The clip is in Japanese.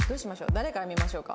誰から見ましょうか？